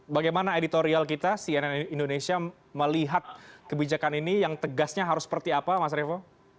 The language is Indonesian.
bagaimana editorial kita cnn indonesia melihat kebijakan ini yang tegasnya harus seperti apa mas revo